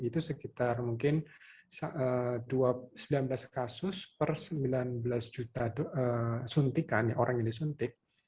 itu sekitar mungkin sembilan belas kasus per sembilan belas juta suntikan orang yang disuntik